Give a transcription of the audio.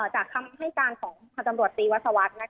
จากคำให้การของพันธ์ธรรมดฤทธิ์วัสโรตรีนะคะ